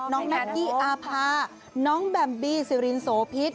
น้องแน็กกี้อาภาน้องแบมบี้สิรินโสพิษ